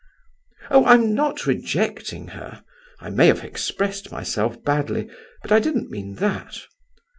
"Oh, I'm not rejecting her. I may have expressed myself badly, but I didn't mean that."